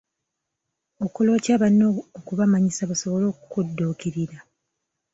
Okola otya banno okubamanyisa basobole okukudduukirira?